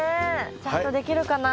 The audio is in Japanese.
ちゃんとできるかな？